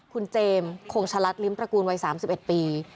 คุณเจมส์คงชะลัดลิ้มตระกูลวัย๓๑ปี